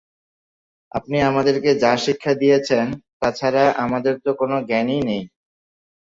আপনি আমাদেরকে যা শিক্ষা দিয়েছেন তাছাড়া আমাদের তো কোন জ্ঞানই নেই।